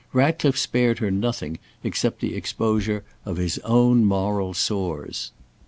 Ratclife spared her nothing except the exposure of his own moral sores.